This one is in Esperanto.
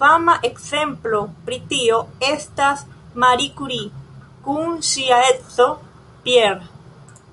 Fama ekzemplo pri tio estas Marie Curie kun ŝia edzo Pierre.